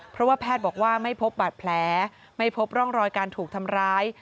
เพราะว่าแพทย์บอกว่าไม่พบบาดแผลไม่พบร่องรอยการถูกทำร้าย